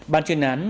bản truyền án